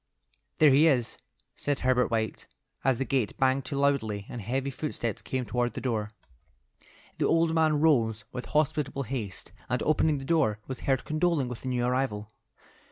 "There he is," said Herbert White, as the gate banged to loudly and heavy footsteps came toward the door. The old man rose with hospitable haste, and opening the door, was heard condoling with the new arrival.